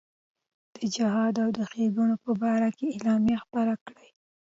د جهاد او ښېګڼو په باره کې اعلامیې خپرې کړې.